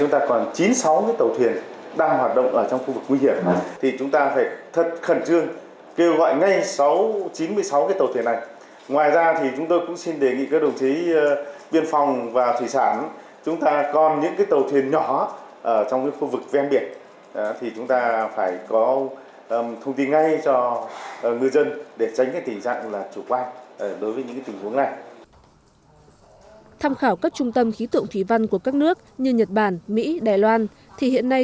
tham khảo các trung tâm khí tượng thủy văn của các nước như nhật bản mỹ đài loan thì hiện nay